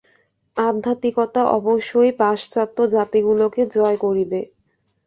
আধ্যাত্মিকতা অবশ্যই পাশ্চাত্যজাতিগুলিকে জয় করিবে।